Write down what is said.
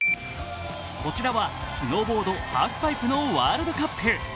こちらはスノーボードハーフパイプのワールドカップ。